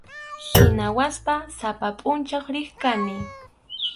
Hinawanpas sapa pʼunchaw riq kani.